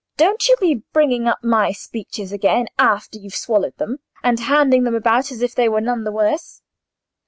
"Don't you be bringing up my speeches again after you've swallowed them, and handing them about as if they were none the worse.